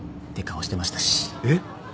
えっ？